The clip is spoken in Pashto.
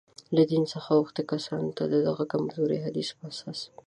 له دین څخه اوښتو کسانو ته، د دغه کمزوري حدیث په اساس.